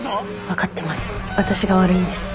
分かってます。